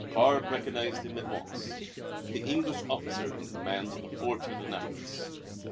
Barbe recognized him at once the English officer in command of the fort at Annapolis.